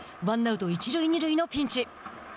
ワンアウト一塁二塁のピンチ。